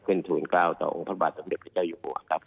ขึ้นทุนเก้าต่อองค์พระบาทพระพุทธพระเจ้าอยู่หัว